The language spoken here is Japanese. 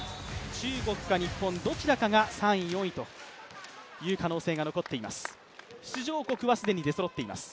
中国か日本、どちらかが３位、４位という可能性が残っています。